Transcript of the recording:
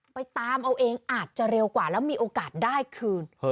ไปตามเอาเองอาจจะเร็วกว่าแล้วมีโอกาสได้คืน